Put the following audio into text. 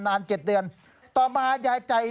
๗เดือนต่อมายายใจ